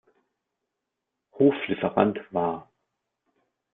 Hoflieferant war.